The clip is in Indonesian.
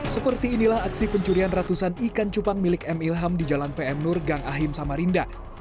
seperti inilah aksi pencurian ratusan ikan cupang milik m ilham di jalan pm nur gang ahim samarinda